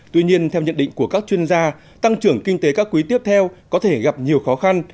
tuy nhiên theo nhận định của các chuyên gia tăng trưởng kinh tế các quý tiếp theo có thể gặp nhiều khó khăn